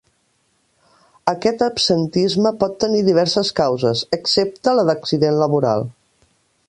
Aquest absentisme pot tenir diverses causes, excepte la d'accident laboral.